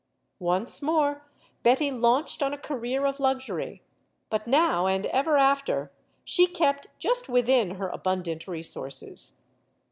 Once more Betty launched on a career of luxury; but now and ever after she kept just within her abundant re sources.